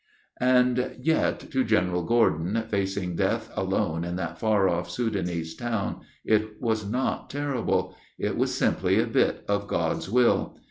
And yet, to General Gordon, facing death alone in that far off Soudanese town, it was not terrible; it was simply a bit of God's will.